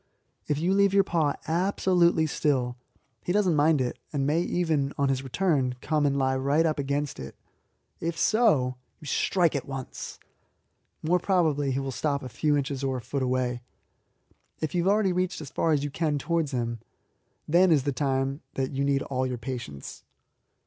If you leave your paw absolutely still, he does not mind it, and may even, on his return, come and lie right up against it. If so, you strike at once. More probably he will stop a few inches or a foot away. If you have already reached as far as you can towards him, then is the time that you need all your patience.